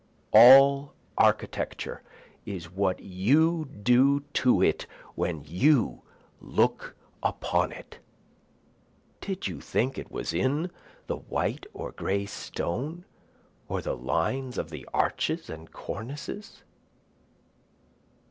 All architecture is what you do to it when you look upon it, (Did you think it was in the white or gray stone? or the lines of the arches and cornices?)